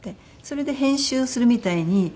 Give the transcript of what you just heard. それで編集するみたいに。